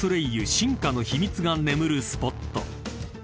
進化の秘密が眠るスポット］